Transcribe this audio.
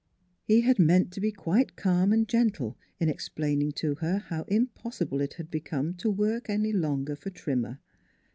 He had meant to be quite calm and gentle in explaining to her how impossible it had become to work longer for Trimmer.